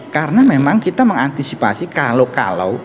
karena memang kita mengantisipasi kalau kalau